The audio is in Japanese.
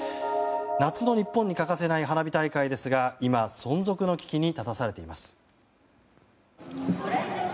夏の日本に欠かせない花火大会ですが今、存続の危機に立たされています。